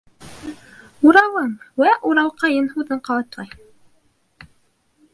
«Уралым!» вә «Уралҡайым» һүҙен ҡабатлай.